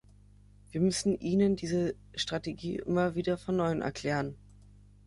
Wir müssen ihnen diese Strategie immer wieder von neuem erklären.